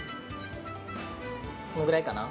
このぐらいかな？